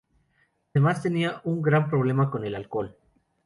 Además tenía un gran problema con el alcohol